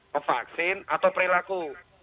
ke vaksin atau perilaku